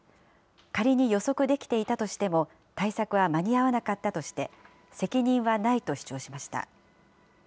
仮に予測できていたとしても対策は間に合わなかったとして、責任はないと主張しました。